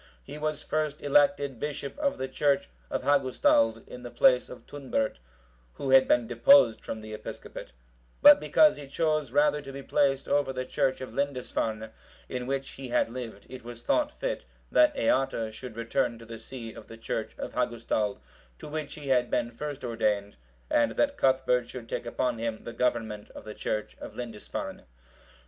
He was first elected bishop of the church of Hagustald, in the place of Tunbert,(754) who had been deposed from the episcopate; but because he chose rather to be placed over the church of Lindisfarne, in which he had lived, it was thought fit that Eata should return to the see of the church of Hagustald, to which he had been first ordained, and that Cuthbert should take upon him the government of the church of Lindisfarne.